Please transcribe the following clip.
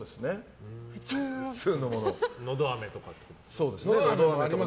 のどあめとかってことですか。